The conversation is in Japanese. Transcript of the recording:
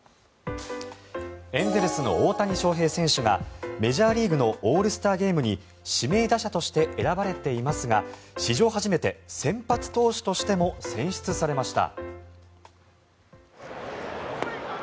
エンゼルスの大谷翔平選手がメジャーリーグのオールスターゲームに指名打者として選ばれていますが史上初めて先発投手としても選出されました。